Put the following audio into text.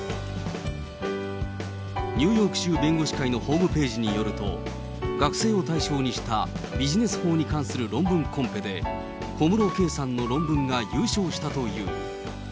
ニューヨーク州弁護士会のホームページによると、学生を対象にしたビジネス法に関する論文コンペで、小室圭さんの論文が優勝したという。